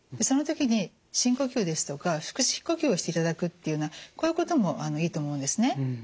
その時に深呼吸ですとか腹式呼吸をしていただくっていうようなこういうこともいいと思うんですね。